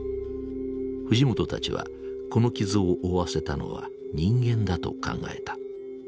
藤本たちはこの傷を負わせたのは人間だと考えた。